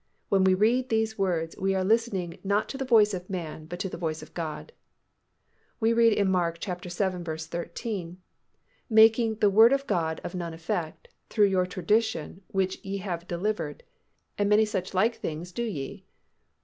When we read these words, __ we are listening not to the voice of man, but to the voice of God._ We read in Mark vii. 13, "Making the word of God of none effect, through your tradition, which ye have delivered; and many such like things do ye."